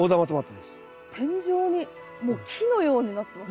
天井にもう木のようになってます。